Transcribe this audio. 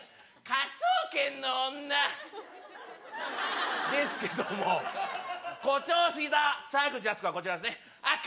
「科捜研の女」ですけども「誇張しすぎた沢口靖子」はこちらですねあっ